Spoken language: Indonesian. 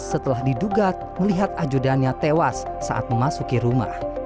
setelah diduga melihat ajudannya tewas saat memasuki rumah